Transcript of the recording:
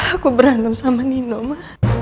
aku berantem sama nino mah